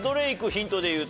ヒントでいうと。